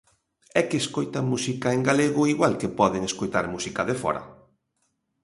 É que escoitan música en galego igual que poden escoitar música de fóra.